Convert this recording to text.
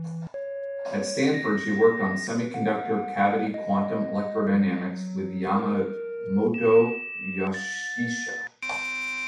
At Stanford she worked on semiconductor cavity quantum electrodynamics with Yamamoto Yoshihisa.